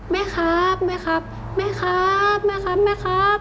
แม่ครับแม่ครับแม่ครับแม่ครับแม่ครับ